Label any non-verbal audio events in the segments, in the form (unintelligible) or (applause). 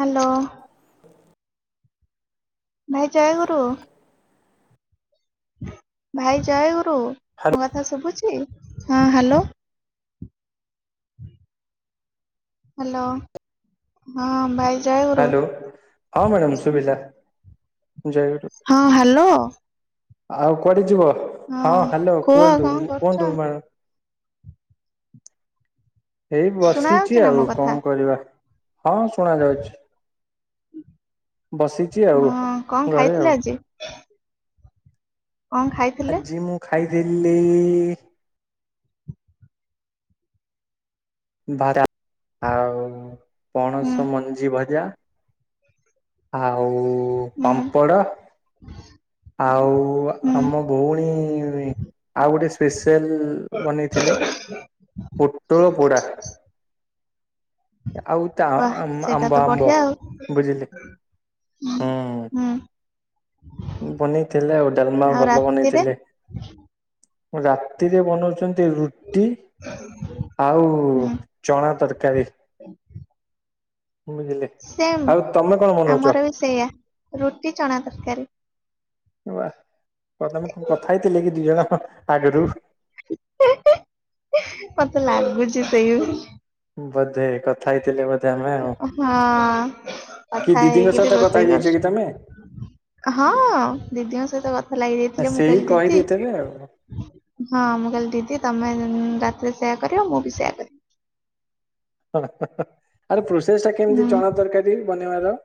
Hello ଭାଇଁ ଜୟଗୁରୁ ଭାଇ ଯାଏ ମୋ ହାଲୋ କଥା ଶୁଭୁଛି ହଁ ହ୍ୟାଲୋ ହ ହ୍ୟାଲୋ ହଁ ଭାଇ ଜୟଗୁରୁ ହ୍ୟାଲୋ ହଁ ମ୍ୟାଡ଼ାମ ସୁଭିଲା ହଁ ହ୍ୟାଲୋ। ଆଉ କୁଆଡେ ଯିବ। ହଁ ହ୍ୟାଲୋ କୁହ କୁହନ୍ତୁ କଣ କରୁଛ କୁହନ୍ତୁ। ଏଇ ଶୁଣା ବସିଛି ଯାଉଛି ନା ଆଉ ମୋ କଥା? କଣ କରିବା। ହଁ ଶୁଣ ଯାଉଛି। ବସିଛି ଆଉ ହଁ କଣ ଘରେ ଖାଇଥିଲେ ଆଉ। ଆଜି କଣ ଖାଇଥିଲେ? ଖାଇ ଦିଲ୍ଲୀ ବାହାର ଆଉ ହୁଁ ପଣସ ମଞ୍ଜି ଭଜା ହଉ। ହୁଁ ପାମ୍ପଡ଼ ଆଉ ହୁଁ ଆମ ଭଉଣୀ ଆଉ ଗୋଟେ ସ୍ପେେଶାଲ ବନେଇଥିଲେ ପୋଟଳ ପୋଡ଼ା ଆଉ ତ ୱା ସେଇଟା ତ ଆମ୍ବ ଆମ୍ବ ବଢିଆ ଆଉ ବୁଝିଲି ହୁଁ। ବନେଇଥିଲେ ଆଉ ଡାଲମା ଆଉ ଭଲ ରାତିରେ ବନେଇଥିଲେ। ରାତିରେ ବନଉଛନ୍ତି। ରୁଟି ଆଉ ହୁଁ ଚଣା ତରକାରୀ ବୁଝିଲେ ସେମ ଆଉ ତମେ କଣ ବନଉଛ? ଆମର ବି ସେଇୟଆ ରୁଟି ଚଣା ତରକାରୀ ବା (inaudible) ତମେ କଣ କଥା ହେଇଥିଲେ କି ଦିଇ ଜଣଙ୍କ ଆଗରୁ ଛି ସେଇ ବଧେ କଥା ହେଇ ଥିଲେ ବ (inaudible) ହଁ କି କଥା ଦିଦିଙ୍କ ହେଇକିରି ସହିତ କଥା ରୋଷେଇ ହେଇଯାଇଛ କି ତମେ କର ହଁ ଦିଦିଙ୍କ ସହିତ କଥା ଲାଗିଯାଇଥିଲେ ମୁଁ ସେଇ କହିଲି ଦିଦି କହିଦେଇଥିବେ ଆଉ। ହଁ ମୁଁ କହିଲି ଦିଦି ତମେ ରାତିରେ ସେୟା କରେ ଆଉ ମୁଁ ବି ସେୟା କରରେି (unintelligible) ଆରେ ସେଟା ହୁଁ କେମିତି ଚଣା ତରକାରୀ ଧନ୍ୟବାଦ।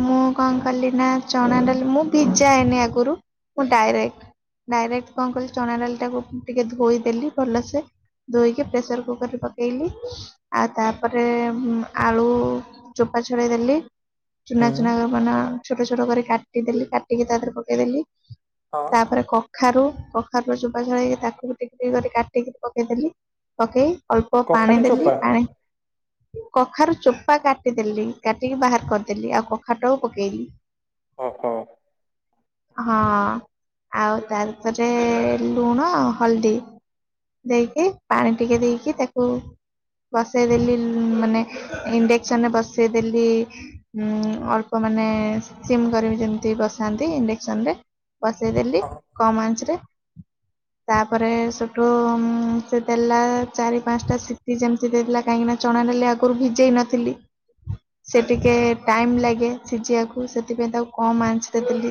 ମୁଁ କଣ କଲି ନା ଚଣା ଡାଲି ମୁଁ ଭିଜାଏନି ଆଗରୁ ମୁଁ ଡାଇରେକ୍ଟ ଡାଇରେକ୍ଟ କଣ କଲି ଚଣା ଡାଲି ଟାକୁ ଟିକେ ଧୋଇଦେଲି ଭଲସେ ଧୋଇକି ପ୍ରେସର କୁକରରେ ପକେଇଲି ଆଉ ତାପରେ ଆଳୁ ଚୋପା ଛଡ଼େଇ ଦେଲି ଚୁନା ହୁଁ ଚୁନା କର ମାନ ଛୋଟ ଛୋଟ କରି କାଟିଦେଲି କାଟିିକି ତା ଦେରେ ପକେଇଦେଲି ହଁ ତାପରେ କ (inaudible) କଖାରୁ କଖାରୁ ର ଯୁବା ଳ ହେଇକି ତାକୁ ଟିକ ଟିକ କାଟିକି ପକେଇଦେଲି ପକେଇ ଅଳ୍ପ ପାଣି କଖାରୁ ଦେଲି ଚୋପା ପାଣି (inaudible) କଖାରୁ ଚୋପା କାଟିଦେଲି କାଟିକି ବାହାରେ କରିଦଲି ଆଉ କଖାରୁଟାକୁ ପକେଇଲି ଓହୋ। ହଁ ଆଉ ତାରପରେ ଲୁଣ ହଳଦୀ ଦେଇକି ପାଣି ଟିକେ ଦେଇକି ତାକୁ ବସେଇଦେଲି ମାନେ ଇଣ୍ଡକ୍ସନରେ ବସେଇଦେଲି। ଉଁ ଅଳ୍ପ ମାନେ ସିମ କରିକି ଯେମତି ବସାନ୍ତି ଇଣ୍ଡକ୍ସନ ରେ ବସେଇଦେଲି ହଁ କମ୍ ଆଞ୍ଚ ରେ। ତାପରେ ସେଠୁ ସେ ଦେଲା ଚାରି ପାଞ୍ଚଟା ସିଟି ଯେମିତି ଦେଇଥିଲା କାହିଁକିନା ଚଣା ଡାଲି ଆଗରୁ ଭିଜେଇ ନଥିଲି। ସେ ଟିକେ ଟାଇମ୍ ଲାଗେ ସିଝିବାକୁ ସେଥିପାଇଁ ତାକୁ କମ୍ ଆଂଞ୍ଚରେ ଦେଲି।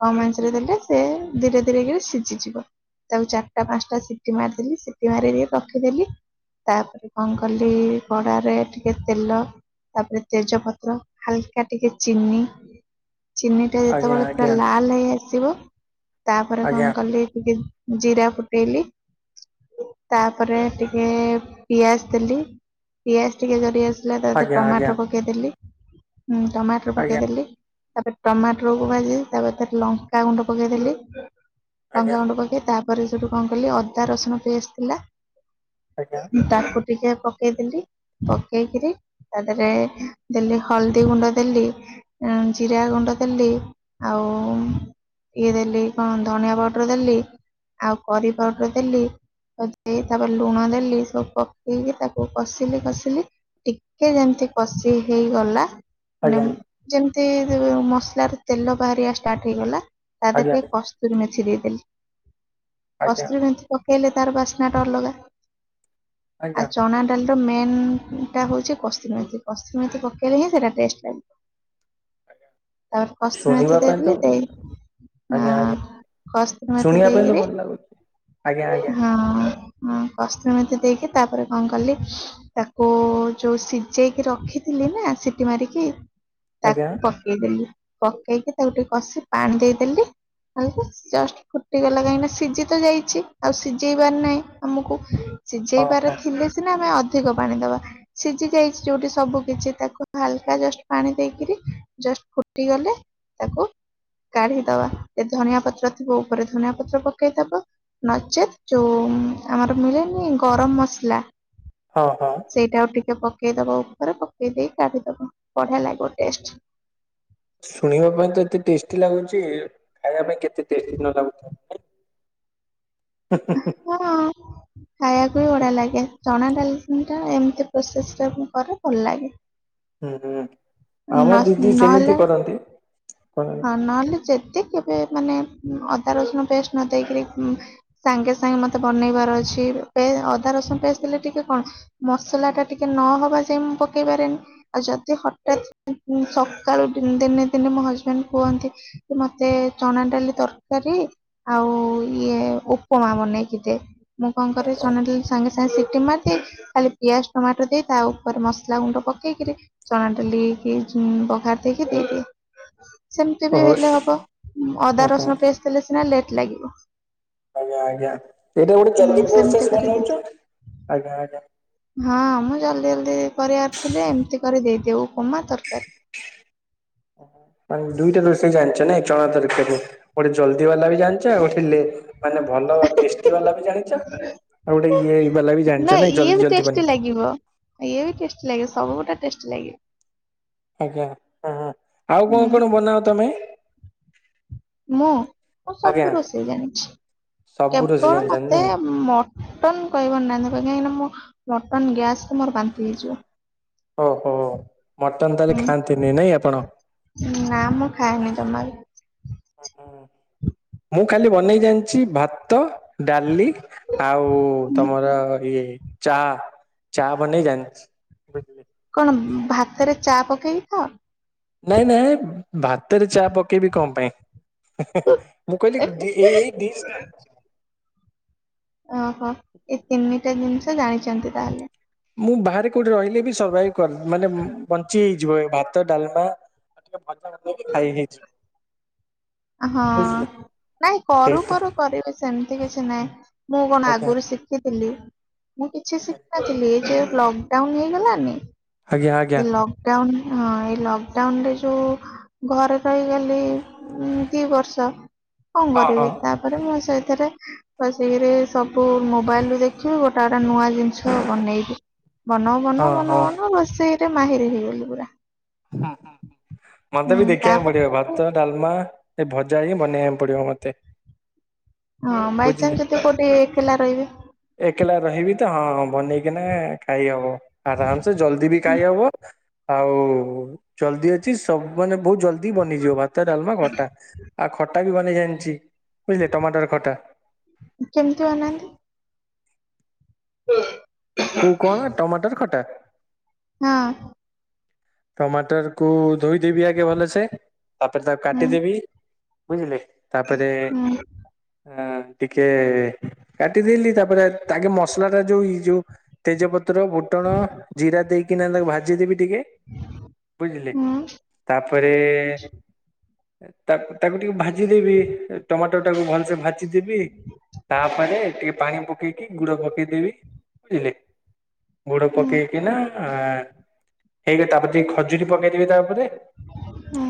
କମ୍ ଆଂଞ୍ଚରେ ଦେଲେ ସେ ଧୀରେ ଧୀରେ ସିଝିଯିବ। ତାକୁ ଚାରିଟା ପାଞ୍ଚଟା ସିଟି ମାରିଦେଲି ସିଟି ମାରିକ ରଖିଦେଲି ତାପରେ କଣ କଲି କଡ଼ାରେ ଟିକେ ତେଲ ତାପରେ ତେଜପତ୍ର ହାଲକା ଟିକେ ଚିନି ଚିନି ଟା ଆଜ୍ଞା ଯେତେବେଳେ ଆଜ୍ଞା ପୁରା ଲାଲ ହେଇ ଆସିବ ତାପରେ କଣ ଆଜ୍ଞା କଲି ଟିକେ ଜିରା ଫୁଟେଇଲି, ତାପରେ ଟିକେ ପିଆଜ ଦେଲି, ପିଆଜ ଟିକେ ଜରି ଆସିଲା ତାତିରେ ଆଜ୍ଞା ଆଜ୍ଞା ଟମାଟର ପକାଇଦେଲି। ହୁଁ ଟମାଟ୍ର ଆଜ୍ଞା ପକେଇଦି। ତାପରେ ଟମାଟରକୁ ଭାଜି ତାପରେରେ ଲଙ୍କା ଗୁଣ୍ଡ ପକେଇଦେଲି। ଆଜ୍ଞା। ଲଙ୍କା ଗଣ୍ଡ ପକେଇ ତା ତାପରେ ସେଠୁ କଣ କଲି ଅଦା ରସୁଣ ପେଷ୍ଟ ଥିଲା ଆଜ୍ଞା। ତାପ ଟିକେ ପକେଇଦେଲି ପକେଇକରି ତା ଦିରେ ଦେଲି ହଲଦୀ ଗୁଣ୍ଡ ଦେଲି, ଜିରା ଗୁଣ୍ଡ ଦେଲି ଆଉ ଇଏ ଦେଲି କଣ ଧଣିଆ ପାଉଡର ଦେଲି ଆଉ କରି ପାଉଡର ଦେଲି, ଏତିକି ଦେଇ ତାପରେ ଲୁଣ ଦେଲି, ସବୁ ପକେଇକି ତାକୁ କଷିଲି କଷିଲି ଟିକେ ଯେମତି କଷି ହେଇ ଗଲା। ମାନେ ଆଜ୍ଞା ଯେମ୍ ମତି ମସଲା ରେ ତେଲ ବାହାରିବା ଷ୍ଟାର୍ଟ ହେଇଗଲା ତାଧିରେ ଆଜ୍ଞା ଟିକେ କସ୍ତୁରୀମେଥ ସିଝେଇଦେଲି। ଆଜ୍ଞା କସ୍ତୁରୀମେଥି ପ ଇଲେ ତାର ବାସ୍ନାଟା ଅଲଗା। ଆଉ ଆଜ୍ଞା ଚଣା ଡାଲି ତ ମେନ୍ ଟା ହଉଚି କସ୍ତୁରୀ ମେଥି। କସ୍ତୁରୀ ମେଥି ପକେଇ ଦେଲେ ହିଁ ସେଇଟା ଟେଷ୍ଟ ଲାଗିବ। ତାପରେ କସ୍ତୁରୀମେଥି ଶୁଣିବା ଦେଇ ପାଇଁ ତ ଦେଲି, ଭଲ ଦେଇକି ଲାଗୁ- ଉଁ ଆଜ୍ଞା ଆଜ୍ଞା କସ୍ତୁରୀମେଥି ଶୁଣିବା ପାଇଁ ତ ଦେଇକିରି ଭଲ ଲାଗୁଛି ଆଜ୍ଞା ଆଜ୍ଞା ହୁଁ କସ୍ତୁରୀମେଥି ଦେଇକି ତାପରେ କଣ କଲି ତାକୁ ଯଉ ସିଝେଇକି ରଖିଥିଲି ନା ସିଟି ମାରିକି ଆଜ୍ଞା ତାକୁ ପକେଇଦେଲି। ପକେଇକି ତାକୁ ଟିକେ କଷି ପାଣି ଦେଇଦେଲି ଆଉ ଜଷ୍ଟ ଫୁଟିଗଲା କାହିଁକିନା ସିଝି ତ ଯାଇଚି ଆଉ ସିଝେଇବାର ନାହିଁ ଆମକୁ ହଁ ସିଝେଇବାର ହଁ ଥିଲେ ସିନା ଆମେ ଅଧିକ ପାଣି ଦବା ସିଝି ଯାଇଚି ଯୋଉଠି ସବୁ କିଛି ତାକୁ ହାଲକା ଜଷ୍ଟ ପାଣି ଦେଇକିରି ଜଷ୍ଟ ଫୁଟିଗଲେ ତାକୁ କାଢିଦବା ଧନିଆ ପତ୍ର ଥିବ ଉପରେ ଧନିଆ ପତ୍ର ପକେଇଦବ ନଚେତ୍ ଯୋଉ ଆମର ମିଳେନି ଗରମ ମସଲା ହଁ ହଁ। ପକେଇଦେବା ଉପରେ ପକେଇ ଦେଇ କାଢ଼ି ଦବ ବଢ଼ିଆ ଲାଗିବ ଟେଷ୍ଟ ଶୁଣିବା ପାଇଁ ତ ଏତେ ଟେଷ୍ଟି ଲାଗୁଛି ଖାଇବା ପାଇଁ କେତ୍ ତେ ଟେଷ୍ଟି ନ ଲାଗୁଥିବ। ଅ ହଁ। ଖାଇବାକୁ ବି ବଢ଼ିଆ ଲାଗେ। ଚଣା ଡାଲି ଟା ଏମିତି ପ୍ରୋସେସ ରେ କଲେ ଭଲ ଲାଗେ। ହୁଁ ହୁଁ। ଆମ ନ ଦିଦି ସେମିତି ନହେଲେ କରନ୍ତି କରନ୍ତି। କେବେ କେବେ ମାନେ ଅଦା ରସୁଣ ପେଷ୍ଟ ନ ଦେଇକରି ସାଙ୍ଗେ ସାଙ୍ଗେ ମୋତେ ବନେଇବାର ଅଛି ଅଦା ରସୁଣ ପେଷ୍ଟ ଦେଲେ ଟିକେ କଣ ମସଲାଟା ଟିକେ ନହବା ଯାଏ ମୁଁ ପକେଇ ପାରେନି ଆଉ ଯଦି ହଠାତ୍ ସକାଳୁ ଦିନ୍ ଦିନେ ଦିନେ ମୋ ହଜବେଣ୍ଡ କୁହନ୍ତି କି ମତେ ଚଣା ଡାଲି ତରକାରୀ ଆଉ ଇଏ ଉପମା ବନେଇକି ଦେ ମୁଁ କଣ କରେ ଚଣା ଡାଲି ସାଙ୍ଗେ ସାଙ୍ଗେ ସିଟି ମାରିଦିଏ ଖାଲି ପିଆଜ ଟମାଟୋ ଦେଇ ତା ଉପରେ ମସଲା ଗୁଣ୍ଡ ପକେଇକିରି ଚଣା ଡାଲି (unintelligible) ପଘାରି ଦେଇକି ଦେଇଦିଏ। ସେମିତି ଓହୋ ବି ଓହୋ ହେଲେ ହବ ଅଦା ଓହୋ ରସୁଣ ପେଷ୍ଟ୍ ଦେଲେ ସିନା ଲେଟ୍ ଲାଗିବ ଆଜ୍ଞା ଆଜ୍ଞା ଏଇଟା ଗୋଟେ ଜଲ୍ଦୀ ହୁଁ ସେମିତି ପ୍ରୋସେସ୍ କରିଦେଇଥି ବନଉଛ ଆଜ୍ଞା ଆଜ୍ଞା। ହଁ ମୁଁ ଜଲଦି ଜଲଦି କରିବାରଥିଲେ ଏମିତି କରି ଦେଇଦିଏ ଉପମା ତରକାରୀ। ସବୁ ଜାଣିଛ ନା ଚଣା ତରକାରୀ ଗୋଟେ ଜଲଦି ବାଲା ବି ଜାଣିଛ ଆଉ ଗୋଟେ ଲେ ମାନେ ଭଲ ଟେଷ୍ଟି ବାଲା ବି ଜାଣିଛ ଆଉ ଗୋଟେ ଇଏଇ ବାଲା ବି ନା ଜାଣିଛ ମାନେ ନାଇଁ ଇଏ ଜଲଦି ବି ଜଲଦି ଟେଷ୍ଟି ବନେ। ଲାଗିବ। ଇଏ ବି ଟେଷ୍ଟି ଲାଗେ ସବୁ ଗୋଟା ଟେଷ୍ଟି ଲାଗେ। ଆଜ୍ଞା ହ ହ। ଆଉ ହୁଁ କଣ କଣ ବନାଅ ତମେ? ମୁଁ ମୁଁ ଆଜ୍ଞା ସବୁ ରୋଷେଇ ଜାଣିଛି ସବୁ ରୋଷେଇ କେବଳ ଜାଣିଛନ୍ତି ମତେ ନାଇଁ ମଟନ କହିବାରୁ ନାହାନ୍ତି। କାହିଁକି ନା ମଟନ ଗ୍ୟାସରେ ମୋର ବାନ୍ତି ହେଇଯିବ। ଓହୋ ମଟନ ତାହେଲେ ହୁଁ ଖାଆନ୍ତିନି ନାଇଁ ଆପଣ। ନା ମୁଁ ଖାଏନି (inaudible) ମୁଁ ଖାଲି ବନେଇ ଜାଣିଛି ଭାତ ଡାଲି ଆଉ ତମର ଇଏ ଚା ଚା ବନେଇ ଜାଣିଛି। କଣ ଭାତରେ ଚା ପକେଇକି ଖାଅ? ନାଇଁ ନାଇଁ ଭାତରେ ଚା ପକେଇବି କଣ ପାଇଁ ମୁଁ କହିଲି ଏଇ ଏଇ ଦିଶ ଜାଣିଚି। ଓହୋ ଏ ତିନିଟା ଜିନିଷ ଜାଣିଛନ୍ତି ତାହେଲେ। ମୁଁ ବାହାରେ କୋଉଠି ରହିଲେ ବି ସର୍ଭାଇଭ କର ମାନେ ବଞ୍ଚି ହେଇଯିବ ଭାତ, ଡାଲମା (unintelligible) ଖାଇ ହେଇଚି। ହଁ ନାଇଁ କରୁ ସେଇଟା କରୁ କରିବି ସେମିତି କିଛି ନାଇଁ ମୁଁ କଣ ଆଜ୍ଞା ଆଗରୁ ଶିକି ଥିଲି ମୁଁ କିଛି ଆଜ୍ଞା। ଶିଖିନଥିଲି, ଏଇ ଯେ ଲକଡାଉନ୍ ହେଇଗଲାନି ଆଜ୍ଞା ଆଜ୍ଞା ଏ ଲକଡାଉନ୍ ହଁ ଏଇ ଲକଡାଉନ୍ ରେ ଯୋଉ ଘରେ ରହିଗଲି ଉଁ, ଦି ବର୍ଷ କଣ ହଁ କରିବି ହଁ ତାପରେ ମୁଟ ସେ ଥିରେ, ବସିକିରି ସବୁ ମୋବାଇଲ୍ ରୁ ଦେଖିବି ଗୋଟା ଗୋଟା ନୂଆ ଜିନିଷ ବନେଇବି। ବନଉ ବନଉ ହଁ ବନଉ ହଁ। ବନଉ ରୋଷେଇ ତୁ ମାହିର ହେଇଗଲୁ ପୁରା। ହଁ, ମୋତେ ବି ହୁଁ ଦେଖିବାକୁ ପଡିବ ତାପରେ ଭାତ, ଡାଲମା ଏ ଭ ଯାଇକି ବନେଇବାକୁ ପଡିବ ମୋତେ। ହଁ ବାଇଚାନ୍ସ କେବେ କୋଉଟି ଏକେଲା ରହିବେ। ଏ ହଁ ହଁ ବନେଇକିନା ଖାଇ ହବ। ଆରାମସେ ଜଲଦି ବି ଖାଇହବ। ଆଉ ଓ ହଁ ଜଲଦି ଅଛି ସବୁ ମାନେ ବହୁତ ଜଲଦି ବନିଯିବ ଭାତ, ଡାଲମା, ଖଟା, ଆଉ ଖଟା ବି ଗ ସେଟା ଜାଣିଚି। ବୁଝିଲେ ଟମାଟର ଖଟା କେମିତି ଓ, କୁ କଣ ଟମାଟର ଖଟା। ହଁ। ଟମାଟର କୁ ଧୋଇଦେବି ଆଗେ ଭଲସେ ତାପରେ ତାକୁ ହୁଁ, କାଟିଦେବି ବୁଝିଲେ। ତାପରେ ହୁଁ, ଆଁ, ଟିକେ କାଟିଦେଲି ତାପରେ ତାଗେ ମସଲା ଟା ଯୋଉ ଏଇ ଯୋଉ ତେଜପ ପତ୍ର ଫୁଟଣ ଜିରା ଦେଇ କି ନହଲେ ତାକୁ ଭାଜିି ଦେବି ଟିକେ ବୁଝିଲେ, ହୁଁ, ତାପରେ ତା ତାକୁ ଟିକେ ଭା ଜି ଦେବି ଏ ଟମା ାକୁ ଭଲସୋ (inaudible) ଦେବି ତାପରେ ଟିକେ ପାଣି ପକେଇକି ଗୁଡ ପକେଇଦେବି ବୁଝିଲେ ଗୋଡ ହୁଁ, ପକେଇକି ନା ହ ହଇଗ ତାପ (inaudible) ଟିକ ଖଜୁରୀ ପକେଇଦେ ତା ଉପରେ ହୁଁ,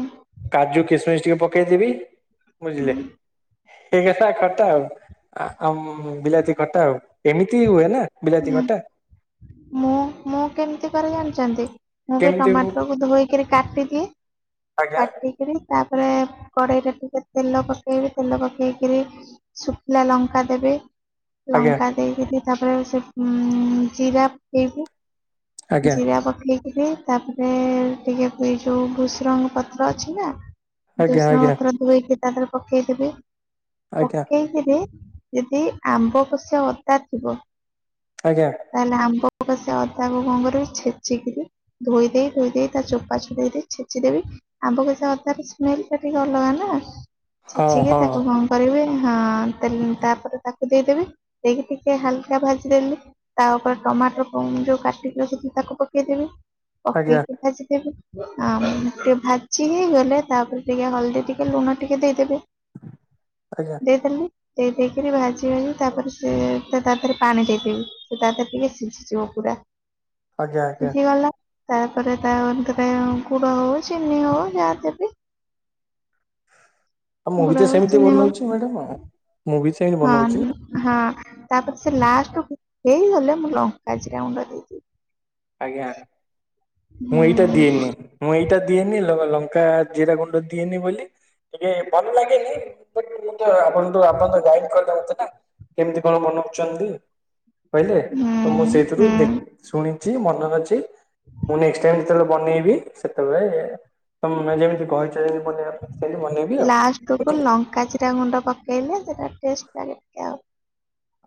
କାଜୁ କିସମିଶ ଟିକେ ପକେଇଦେବି ହୁଁ, ବୁଝିଲେ। ହେ ଖଟା ଆଉ ଆଉ ବିଲାତି ଖଟା ଆଉ ଏମିତି ହୁଏ ନା ବିଲାତି ହୁଁ। ଘଟା ମୁଁ ମୁଁ କେମିତି କରେ ଜାଣିଛନ୍ତି ମୁଁ ବି ଟମାଟରକୁୁ ଧୋଇକ କାଟିଦିଏ ଆଜ୍ଞା କାଟିକରି ତାପରେ କଡେଇ ଟା ଟିକେ ତେଲ ପକେଇବି ତେଲ ପକେଇକରି ଶୁଖିଲା ଲଙ୍କା ଦେବି ଆଜ୍ଞା ଲଙ୍କା। ତାପରେ ସେ ଜିରା ପକେଇବି ଆଜ୍ଞା ଜିରା ପକେଇ ତାପରେ ଟିକେ ଯୋଉ ଭୁଷ ରଙ୍ଗ ପତ୍ର ଅଛି ନା ଆଜ୍ଞା ଦୁସରା ଆଜ୍ଞା ମତ ଧୋଇଇ ତାପରେ ପକେଇଦେବି। ଆଜ୍ଞା ପକେଇଥିଲେ? ଯଦି ଆମ୍ବ (inaudible) (unintelligible) ଆଜ୍ଞା ତାହେଲେ ଆମ୍ୱ ଆମ୍ବ କ ସେ ଅଦାକୁ କଙ୍ଗରେ ଛେଚିକି ଧୋଇ ଦେଇେଇ ଧୋଇ ଦେଇ ତା ଚୋପା ଛୋ ଦେଇ ଛେଚିଦେବି ଆମ୍ବ କ ସେ ଅଦା ସ୍ମେଲ ଟା ଟିକେ ଅଲଗା ନା। ହଁ ଛେଚିକି ହଁ ତାକୁ କଣ କରିବେ ହଁ। (inaudible) ତାପରେ (inaudible) ଦେଇଦେବି। ଦେଇକି ଟିକେ ହାଲକା ଭାଜିଦେଲି ତା ଉପରେ ଟମାଟର କୁ ଯୋଉ କାଟିକି ରଖିଥିଲି ତାକୁ ପକେଇଦେବି। ଆଜ୍ଞା ପକେଇକି ଭାଜି ଦେବି। ଆମ୍ୱ ଟିକେ ଭାଜି ହେଇଗଲେ ତାପରେ ଟିକେ ହଳଦୀ ଟିକେ ଲୁଣ ଟିକେ ଦେଇଦେବେ। ଆଜ୍ଞା ଦେଇ (unintelligible) ଦେଇ ଦେଇକରି ଭାଜି ଭାଜି ତାପରେ ସେ ସେ ତାପରେ ପାଣି ଦେଇଦେବି ସେ (unintelligible) ଟିକେ ସିଝିଯିବ ପୁରା। ଆଜ୍ଞା ଆଜ୍ଞା। ସିଝିଗଲା ତାପରେ (unintelligible) ଗୁଡ ହଉ ଚିନି ହଉ ଯାହା ଦେବି। ଆଉ ମୁଁ ଗୁଡ ବି ତ ହଉ ସେମିତି ଚିନି ହଉ ବନଉଛି ମ୍ୟାଡ଼ମ ଆଉ ମୁଁ ବି ସେମିତି ହଁ ବନଉଛି ନା ହଁ। ହଁ ତାପରେ ସେ ଲାଷ୍ଟ କୁ ହେଇଗଲେ ମୁଁ ଲଙ୍କା ଜିରାଗୁଣ୍ଡ ଦେଇଦେବି। ଆଜ୍ଞା। ମୁଁ ଏଇଟା ହୁଁ ଦିଏନି ମୁଁ ଏଇ ଏଇଟା ଦିଏନି ଲଙ୍କା ଜିରା ଗୁଣ୍ଡ ଦିଏନି ବୋଲି ଟିକେ ଭଲ ଲାଗେନି ବାକି ମୁଁ ତ ଆପଣ ତ ଆପଣ ତ ଗାଇଡ୍ କରିଲେ ମତେ କେମତି କଣ ବନଉଚନ୍ତି? କହିଲେ ତ ମୁଁ ହୁଁ ସେଇଥିରୁ ଦେଖ ହୁଁ ଶୁଣି ଚି ମନରେ ଅଛି। ମୁଁ ନେକ୍ସଟ୍ ଟାଇମ୍ ଯେତେବେଳେ ବନେଇବି ସେତେବେଳେ ତମେ ଯେମିତି କହିଛ ଯେମିତି ବନେଇବା ପାଇଁ ସେମିତି ବନେଇବି ଆଉ ଲାଷ୍ଟକୁୁ ବୁଝିଲେ ଲଙ୍କା ଜିରାଗୁଣ୍ଡ ପକେଇଲେ ସେଟା ଟେଷ୍ଟ ଲାଗେ ଟିକେ ଆଉ।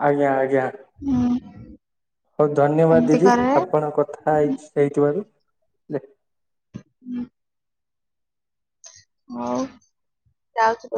ଆଜ୍ଞା ଆଜ୍ଞା। ହୁଁ ହଉ ଧନ୍ୟବାଦ ଏମିତି ଦିଦି କରେ ଆପଣ କଥା ହେଇଚି ହେଇଥିବାରୁ। (unintelligible) ହୁଁ। ହଉ ଯାଉଛି ରୋ